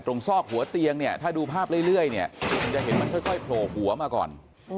ที่จะได้ลิ้ยเนี่ยคุณจะเห็นมันค่อยโผล่หัวมาก่อน